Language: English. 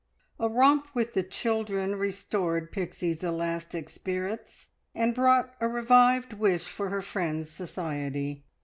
A romp with the children restored Pixie's elastic spirits, and brought a revived wish for her friends' society.